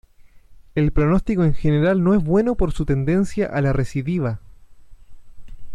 El pronóstico en general no es bueno por su tendencia a la recidiva.